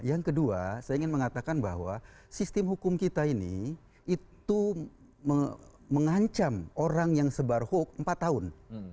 yang kedua saya ingin mengatakan bahwa sistem hukum kita ini itu mengancam orang yang sebar hoax empat tahun